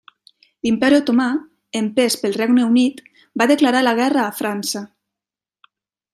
L'Imperi Otomà, empès pel Regne Unit, va declarar la guerra a França.